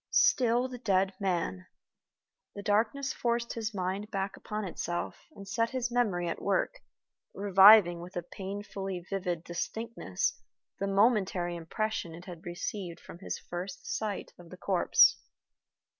Still the dead man! The darkness forced his mind back upon itself, and set his memory at work, reviving with a painfully vivid distinctness the momentary impression it had received from his first sight of the corpse.